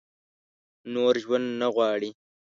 نور ژوند نه غواړي ؟